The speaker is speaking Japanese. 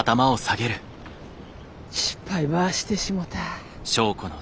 失敗ばしてしもた。